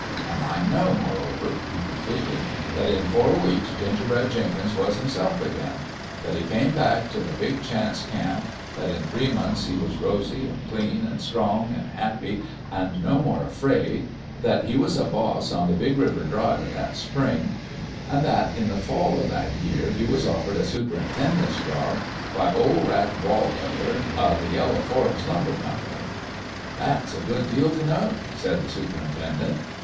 An' 202 A LITTLE ABOUT LIFE I know, moreover/' he concluded, " that in four weeks Gingerbread Jenkins was himself again that he came back t' the Big Chance Camp that in three months he was rosy, an' clean, an' strong, an' happy, an' no more afraid that he was a boss on the Big River drive o' that spring an' that in the fall o' the year he was offered a superintendent's job by OF Rat Wallweather o' the Yellow Forks Lumber Company." " That's a good deal t' know," said the super intendent.